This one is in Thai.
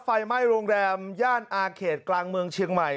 ไฟไหม้โรงแรมย่านอาเขตกลางเมืองเชียงใหม่